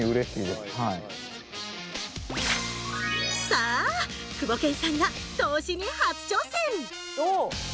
さあクボケンさんが投資に初挑戦おっ。